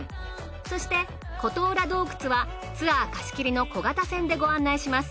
そして琴浦洞窟はツアー貸切の小型船でご案内します。